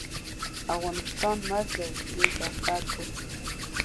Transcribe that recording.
افغانستان مړ دی یو جسد دی.